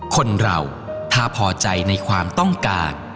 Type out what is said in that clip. คนเราถ้าพอใจในความต้องการ